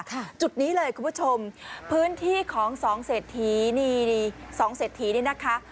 จุดนี้เลยคุณผู้ชมพื้นที่ของสองเศรษฐีนี่สองเศรษฐีนี่นะคะ